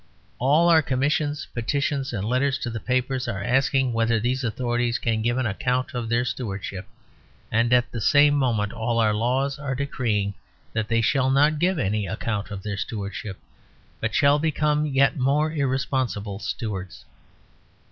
All our commissions, petitions, and letters to the papers are asking whether these authorities can give an account of their stewardship. And at the same moment all our laws are decreeing that they shall not give any account of their stewardship, but shall become yet more irresponsible stewards.